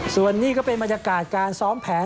ส่วนนี้ก็เป็นบรรยากาศการซ้อมแผน